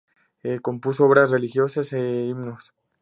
Compuso obras religiosas e himnos.